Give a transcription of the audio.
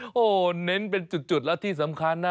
โอ้โหเน้นเป็นจุดแล้วที่สำคัญนะ